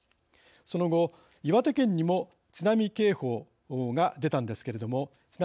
その後、岩手県にも津波警報が出たんですけれども。